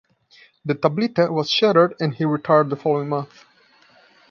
The "Tablita" was shattered and he retired the following month.